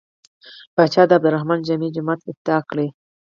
پاچا د عبدالرحمن جامع جومات افتتاح کړ.